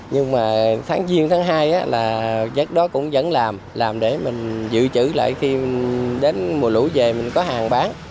nhưng mà tháng diên tháng hai là giấc đó cũng vẫn làm làm để mình giữ chữ lại khi đến mùa lũ về mình có hàng bán